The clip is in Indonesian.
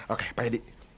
oke pak yadi